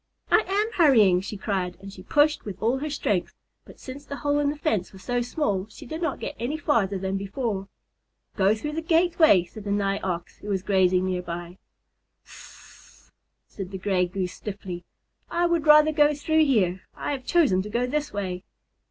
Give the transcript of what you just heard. "I am hurrying," she cried, and she pushed with all her strength, but since the hole in the fence was so small, she did not get any farther than before. "Go through the gateway," said the Nigh Ox, who was grazing near by. "Sssss!" said the Gray Goose stiffly. "I would rather go through here. I have chosen to go this way."